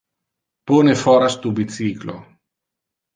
Pone foras tu bicyclo.